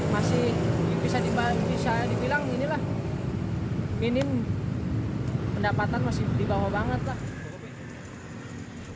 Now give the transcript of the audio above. masih bisa dibilang ini lah minim pendapatan masih dibawa banget lah